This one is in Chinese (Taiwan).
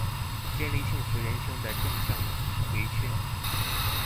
建立幸福人生的正向迴圈